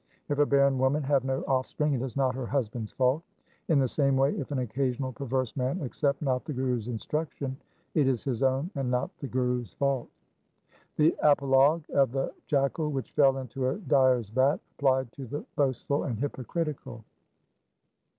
If a barren woman have no offspring, it is not her husband's fault. In the same way if an occasional perverse man accept not the Guru's instruc tion, it is his own and not the Guru's fault. 3 The apologue of the jackal which fell into a dyer's vat applied to the boastful and hypocritical.